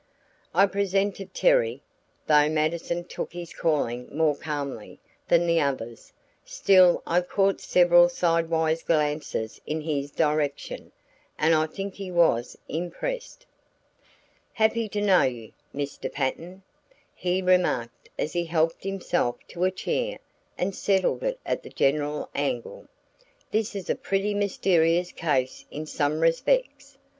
I presented Terry; though Mattison took his calling more calmly than the others, still I caught several sidewise glances in his direction, and I think he was impressed. "Happy to know you, Mr. Patten," he remarked as he helped himself to a chair and settled it at the general angle. "This is a pretty mysterious case in some respects.